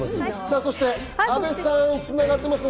そこで阿部さんに繋がっていますか？